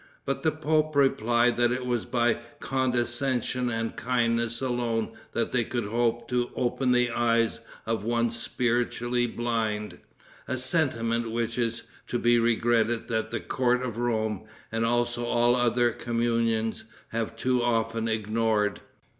but the pope replied that it was by condescension and kindness alone that they could hope to open the eyes of one spiritually blind; a sentiment which it is to be regretted that the court of Rome and also all other communions have too often ignored.